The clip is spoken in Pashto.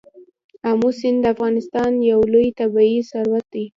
آمو سیند د افغانستان یو لوی طبعي ثروت دی.